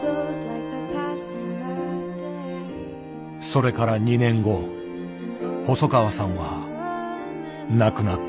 それから２年後細川さんは亡くなった。